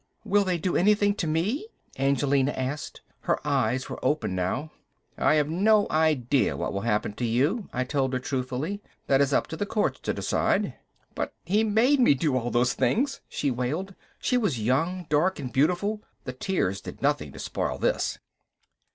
"Will they do anything to me?" Angelina asked. Her eyes were open now. "I have no idea of what will happen to you," I told her truthfully. "That is up to the courts to decide." "But he made me do all those things," she wailed. She was young, dark and beautiful, the tears did nothing to spoil this.